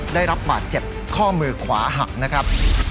ได้รับบาดเจ็บข้อมือขวาหักนะครับ